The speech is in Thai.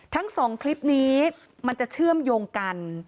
ทั้งสองคลิปนี้มันจะเชื่อมโยงกัน